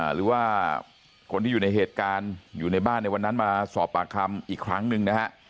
หรือว่าคนที่อยู่ในเหตุการณ์อยู่ในบ้านในวันนั้นมาสอบปากคำอีกครั้งหนึ่งนะฮะ